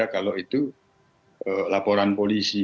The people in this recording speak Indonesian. kalau itu laporan polisi